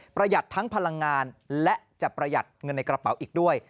ประหยัดทั้งพลังงานและจะประหยัดเงินในกระเป๋าอีกด้วย